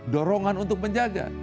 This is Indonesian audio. dorongan untuk menjaga